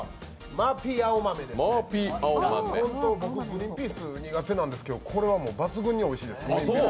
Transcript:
グリーンピース苦手なんですけどこれは抜群においしいです。